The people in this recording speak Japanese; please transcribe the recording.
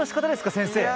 先生